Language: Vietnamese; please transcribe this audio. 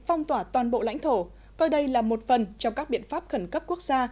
phong tỏa toàn bộ lãnh thổ coi đây là một phần trong các biện pháp khẩn cấp quốc gia